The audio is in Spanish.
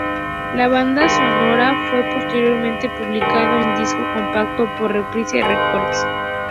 La banda sonora fue posteriormente publicado en disco compacto por Reprise Records.